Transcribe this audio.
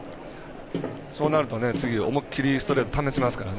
そうなると次、思い切りストレート試せますから。